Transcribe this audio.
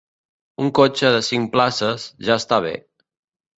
Un cotxe de cinc places, ja esta bé.